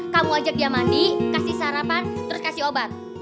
kamu ajak dia mandi kasih sarapan terus kasih obat